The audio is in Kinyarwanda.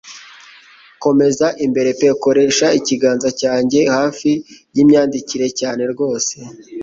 Komeza imbere pe koresha ikiganza cyanjye hafi yimyandikire cyane rwose